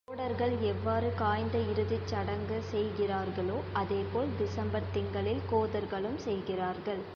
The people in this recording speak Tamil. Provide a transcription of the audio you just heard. தோடர்கள் எவ்வாறு காய்ந்த இறுதிச் சடங்கு செய்கிறர்களோ, அதே போல் திசம்பர் திங்களில் கோதர்களும் செய்கிறார்கள்.